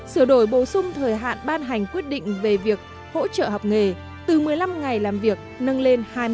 sửa đổi bổ sung thời hạn ban hành quyết định về việc hỗ trợ học nghề từ một mươi năm ngày làm việc nâng lên hai mươi năm